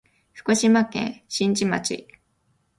福島県新地町